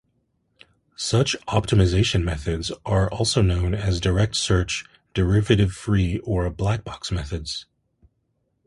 Such optimization methods are also known as direct-search, derivative-free, or black-box methods.